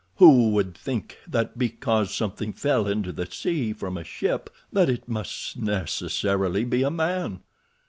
Who would think that because something fell into the sea from a ship that it must necessarily be a man?